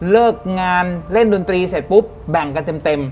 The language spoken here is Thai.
เลิกงานเล่นดนตรีเสร็จปุ๊บแบ่งกันเต็ม